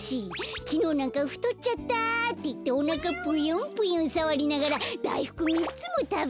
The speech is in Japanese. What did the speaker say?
きのうなんか「ふとっちゃった」っていっておなかぷよんぷよんさわりながらだいふく３つもたべてたよ。